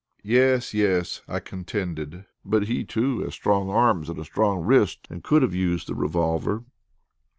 "Yes, yes," I contended; "but he too has strong arms and a strong wrist and could have used the revolver."